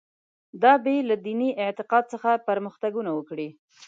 دا بې له دیني اعتقاد څخه پرمختګونه وکړي.